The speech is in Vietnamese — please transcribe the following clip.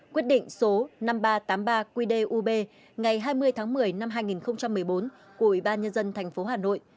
quyết định số năm nghìn ba trăm tám mươi ba qdub ngày hai mươi tháng một mươi năm hai nghìn một mươi bốn của ủy ban nhân dân tp hà nội